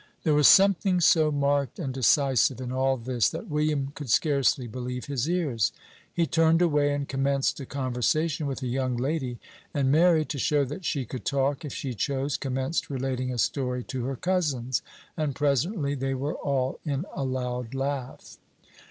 There was something so marked and decisive in all this, that William could scarcely believe his ears. He turned away, and commenced a conversation with a young lady; and Mary, to show that she could talk if she chose, commenced relating a story to her cousins, and presently they were all in a loud laugh.